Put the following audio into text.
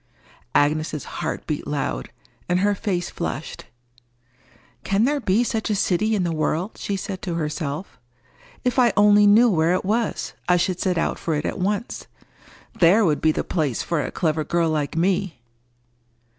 Agnes's heart beat loud, and her face flushed. "Can there be such a city in the world?" she said to herself. "If I only knew where it was, I should set out for it at once. There would be the place for a clever girl like me!"